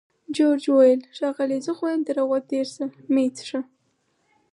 جورج وویل: ښاغلې! زه خو وایم تر هغوی تېر شه، مه یې څښه.